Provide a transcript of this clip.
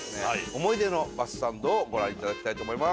思い出のバスサンドをご覧いただきたいと思います」